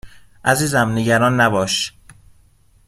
عزیزم نگران نباش